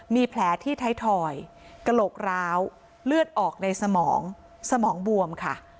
มีแผลที่ไทยทอยกระโหลกร้าวเลือดออกในสมองสมองบวมค่ะ